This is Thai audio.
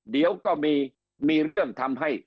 เดี๋ยวก็มีเรื่องทำให้